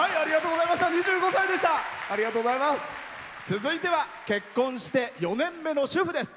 続いては結婚して４年目の主婦です。